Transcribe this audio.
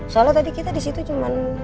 salah tadi kita di situ cuman